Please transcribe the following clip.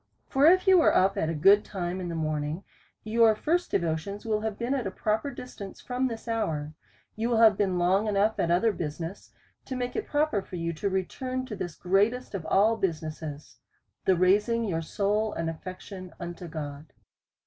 For if you was up at a good time in the morning, your first devotions will have been at a proper distance from this hour : you will have been long enough at other business, to make it proper for you to return to this greatest of all business, the raising your soul and affections unto God.